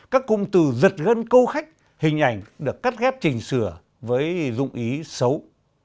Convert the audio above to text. các công từ giật gân câu khách hình ảnh được cắt ghép trình sửa với dụng ý xấu